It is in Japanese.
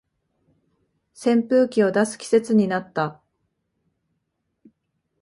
扇風機を出す季節になった